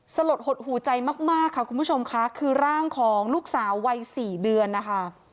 สลดหดหูใจมากค่ะคุณผู้ชมค่ะคือร่างของลูกสาววัย๔เดือนนะคะ